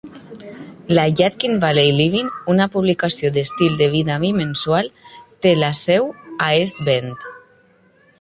La Yadkin Valley Living, una publicació d'estil de vida bimensual, té la seu a East Bend.